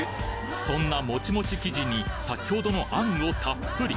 そんなモチモチ生地に先ほどの餡をたっぷり。